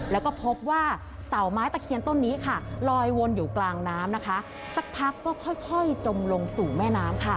แล้วก็พบว่าเสาไม้ตะเคียนต้นนี้ค่ะลอยวนอยู่กลางน้ำนะคะสักพักก็ค่อยจมลงสู่แม่น้ำค่ะ